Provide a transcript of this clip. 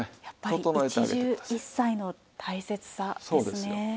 やっぱり一汁一菜の大切さですね。